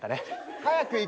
早く行くよ。